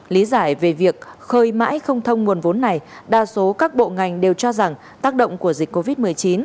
lý giải về việc khơi mãi không thông nguồn vốn này đa số các bộ ngành đều cho rằng tác động của dịch covid một mươi chín